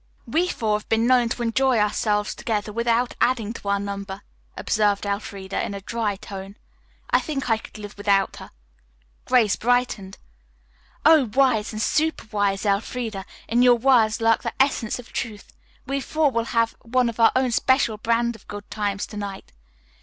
"We four have been known to enjoy ourselves together without adding to our number," observed Elfreda in a dry tone. "I think I could live without her." Grace brightened. "Oh, wise and superwise Elfreda, in your words lurk the essence of truth. We four will have one of our own special brand of good times to night.